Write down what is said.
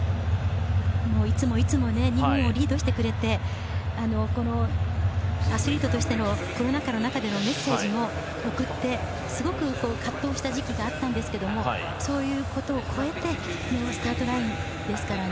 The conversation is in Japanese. いつもいつも日本をリードしてくれてアスリートとしてコロナ禍にメッセージを送ってすごく葛藤した時期があったんですけれどもそういうことを越えてスタートラインですからね。